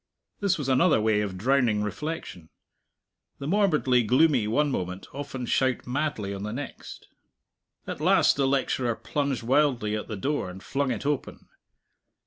This was another way of drowning reflection. The morbidly gloomy one moment often shout madly on the next. At last the lecturer plunged wildly at the door and flung it open.